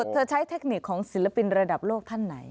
เธอใช้เทคนิคของศิลปินระดับโลกท่านไหน